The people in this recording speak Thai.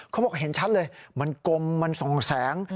เขาบอกเห็นชัดเลยมันกลมมันส่งแสง